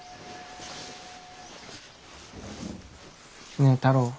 ねえ太郎。